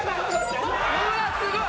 うわっすごい！